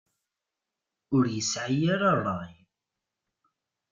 Ur yesɛi ara ṛṛay.